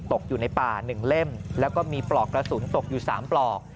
ตกอยู่ในป่า๑เล่มแล้วก็มีปลอกกระสุนตกอยู่๓ปลอก